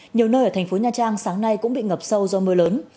nhiều nơi ở thành phố nha trang sáng nay cũng bị ngập sâu do mưa lớn